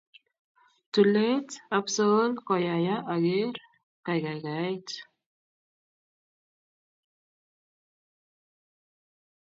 tulet apsuol koyaya aker kakaikaet